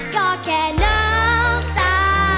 ก็แค่น้ำตา